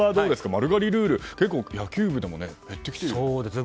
丸刈りルールは野球部でも減ってきていますよね。